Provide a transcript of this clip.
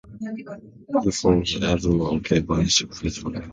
He fulfilled the oracle by banishing his father and sitting on his throne.